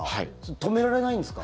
止められないんですか？